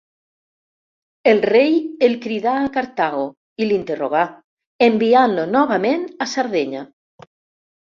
El rei el cridà a Cartago i l'interrogà, enviant-lo novament a Sardenya.